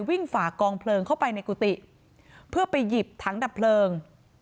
ฝ่ากองเพลิงเข้าไปในกุฏิเพื่อไปหยิบถังดับเพลิง